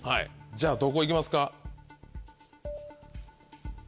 じゃあどこ行きますか？